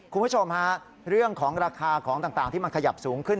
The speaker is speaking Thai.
คุณผู้ชมฮะเรื่องของราคาของต่างที่มันขยับสูงขึ้น